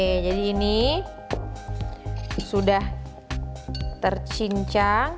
oke jadi ini sudah tercincang